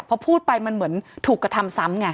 พอพูดไปมันเหมือนถูกกระทำซ้ำไง